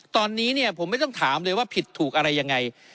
ตอนนี้เนี่ยผมไม่ต้องถามเลยว่าผิดถูกอะไรยังไง